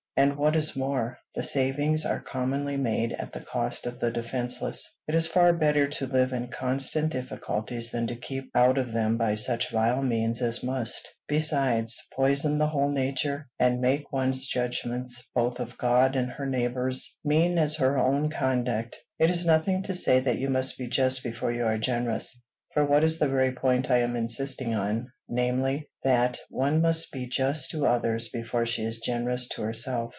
And what is more, the savings are commonly made at the cost of the defenceless. It is better far to live in constant difficulties than to keep out of them by such vile means as must, besides, poison the whole nature, and make one's judgments, both of God and her neighbors, mean as her own conduct. It is nothing to say that you must be just before you are generous, for that is the very point I am insisting on; namely, that one must be just to others before she is generous to herself.